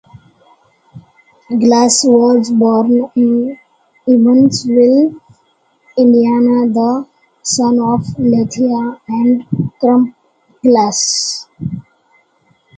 Glass was born in Evansville, Indiana, the son of Lethia and Crump Glass.